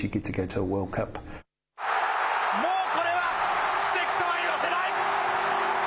もうこれは奇跡とは言わせない。